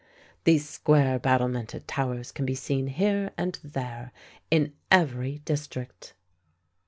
These square battlemented towers can be seen here and there in every district.